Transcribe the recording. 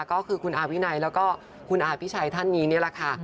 ก็คือคุณอาวินัยแล้วก็คุณอาพิชัยท่านนี้นี่แหละค่ะ